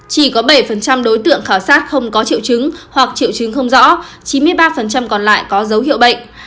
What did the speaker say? chỉ có bảy đối tượng khảo sát không có triệu chứng hoặc triệu chứng không rõ chín mươi ba còn lại có dấu hiệu bệnh